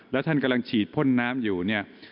แล้วท่านกำลังฉีดพ่นน้ำอยู่เนี่ย